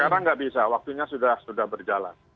sekarang nggak bisa waktunya sudah berjalan